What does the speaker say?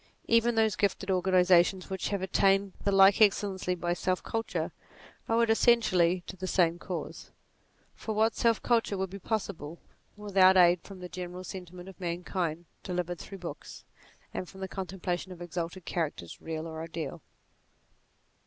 Even those gifted organiza tions which have attained the like excellence by self culture, owe it essentially to the same cause ; for what self culture would be possible without aid from E 2 54 NATURE the general sentiment of mankind delivered through books, and from the contemplation of exalted characters real or ideal